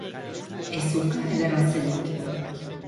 Ez uka ederra zenik.